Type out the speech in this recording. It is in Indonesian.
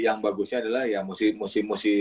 yang bagusnya adalah ya musim musim